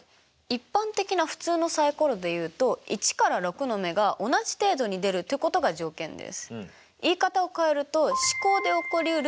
一般的な普通のサイコロでいうと１から６の目が同じ程度に出るということが条件です。